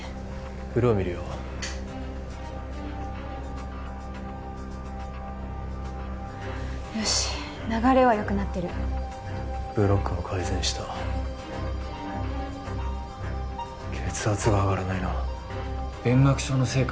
フロー見るよよし流れはよくなってるブロックも改善した血圧が上がらないな弁膜症のせいか？